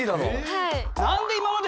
はい。